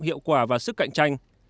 hiệu quả và sức cạnh tranh